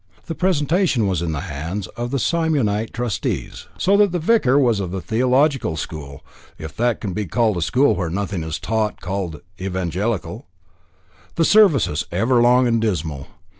The presentation was in the hands of the Simeonite Trustees, so that the vicar was of the theological school if that can be called a school where nothing is taught called Evangelical. The services ever long and dismal.